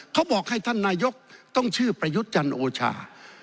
เขาบอกให้ท่านนายกต้องชื่อประยุทธ์จันทร์โอชา